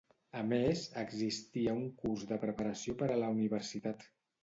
A més, existia un curs de preparació per a la Universitat.